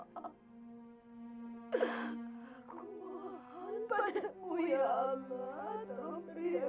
tolong kamu bersihkan lantai dulu ya